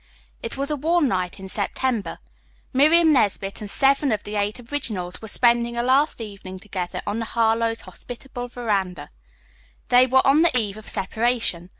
It was a warm night in September. Miriam Nesbit and seven of the Eight Originals were spending a last evening together on the Harlowes' hospitable veranda. They were on the eve of separation.